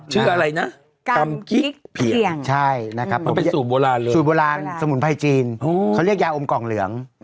ชื่ออะไรนะกำกิ๊กเพียงมันเป็นสูตรโบราณสมุนไพรจีนเขาเรียกยาอมกล่องเหลือง